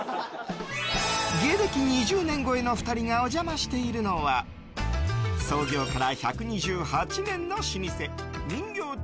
芸歴２０年超えの２人がお邪魔しているのは創業から１２８年の老舗人形町